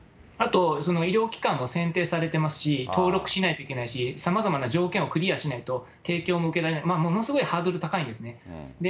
あと、医療機関も選定されてますし、登録しないといけないし、さまざまな条件をクリアしないと提供も受けられない、ものすごいハードル高いんですね。